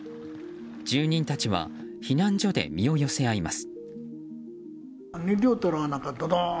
住人達は避難所で身を寄せ合います。